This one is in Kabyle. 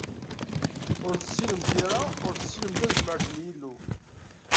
Ur tessinem tira, ur tessinem tazmert n Yillu.